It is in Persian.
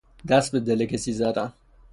دست به دل کسی زدن